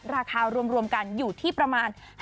ราคารวมกันอยู่ที่ประมาณ